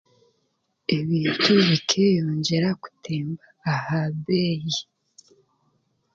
Eminekye ekeeyongyera kutemba aha beeyi